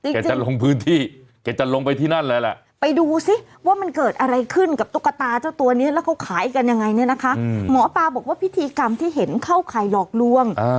ขายกันยังไงเนี่ยนะคะหมอปาบอกว่าพิธีกรรมที่เห็นเข้าใครหลอกล่วง